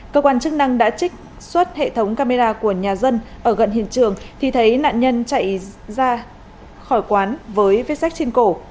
cơ quan chức năng đã trích xuất hệ thống camera của nhà dân ở gần hiện trường thì thấy nạn nhân chạy ra khỏi quán với viết sách trên cổ